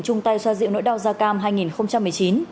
trung tây xoa dịu nỗi đau gia cam hai nghìn một mươi chín